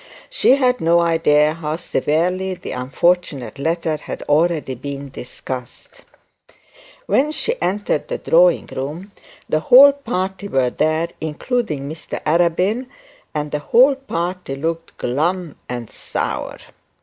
She had no idea how severely the unfortunate letter had already been discussed. When she entered the drawing room the whole party were there, including Mr Arabin, and the whole party looked glum and sour.